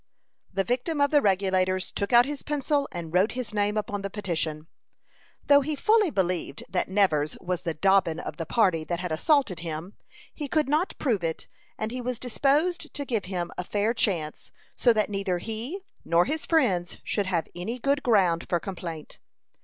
The victim of the Regulators took out his pencil and wrote his name upon the petition. Though he fully believed that Nevers was the "Dobbin" of the party that had assaulted him, he could not prove it and he was disposed to give him a fair chance, so that neither he nor his friends should have any good ground for complaint.